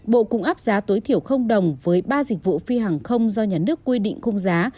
bộ cũng áp giá tối thiểu đồng với ba dịch vụ phi hàng không do nhà nước quy định khung giá